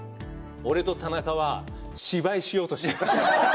俺と田中は芝居しようとしています。